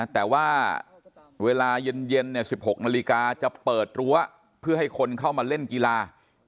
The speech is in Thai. แต่ว่าเวลาเย็น๑๖นาฬิกาจะเปิดรั้วเพื่อให้คนเข้ามาเล่นกีฬา